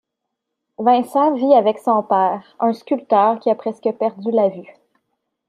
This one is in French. Vincent vit avec son père, un sculpteur qui a presque perdu la vue.